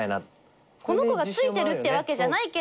この子がついてるってわけじゃないけど。